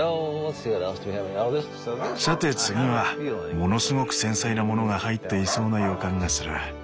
さて次はものすごく繊細なものが入っていそうな予感がする。